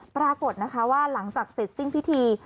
ปรากฏนะคะว่าหลังจากเสร็จสิ้นพิธี